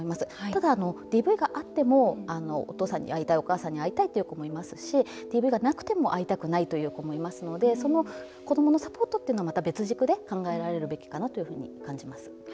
ただ、ＤＶがあってもお父さんに会いたいお母さんに会いたいという子もいますしＤＶがなくても会いたくないという子もいますのでその子どものサポートというのは、また別軸で考えられるべきかなと感じます。